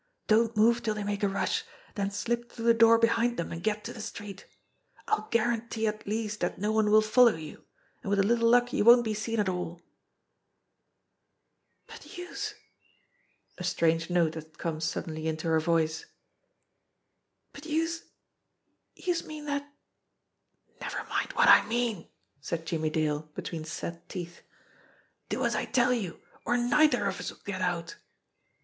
Don't move till they make a rush, then slip through the door behind them, and get to the street.^ I'll guarantee at least that no one will follow you, and with a little luck you won't be seen at all." "But youse" a strange note had come suddenly into her voice "but youse youse mean dat " "Never mind what I mean," said Jimmie Dale between set teeth. "Do as I tell you, or neither of us'll get out